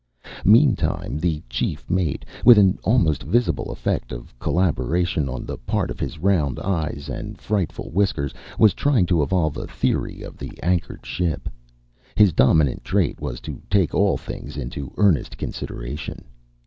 Meantime the chief mate, with an almost visible effect of collaboration on the part of his round eyes and frightful whiskers, was trying to evolve a theory of the anchored ship. His dominant trait was to take all things into earnest consideration.